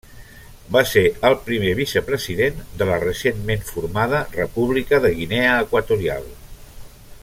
Va ser el primer vicepresident de la recentment formada República de Guinea Equatorial.